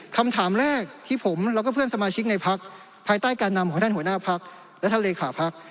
คำถามแรกที่ผมแล้วก็เพื่อนสมาชิกในพักภายใต้การนำของท่านหัวหน้าพักและท่านเลขาพัก